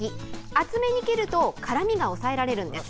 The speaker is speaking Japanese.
厚めに切ると辛みが抑えられるんです。